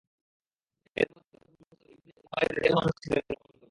এদের মধ্যে হযরত মুসআব ইবনে উমাইর রাযিয়াল্লাহু আনহু ছিলেন অন্যতম।